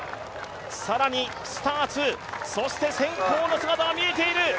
更にスターツ、そしてセンコーの姿が見えている。